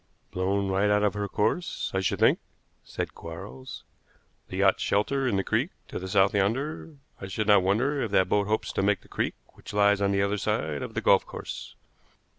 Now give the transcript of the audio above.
"Blown right out of her course, I should think," said Quarles. "The yachts shelter in the creek to the south yonder. I should not wonder if that boat hopes to make the creek which lies on the other side of the golf course."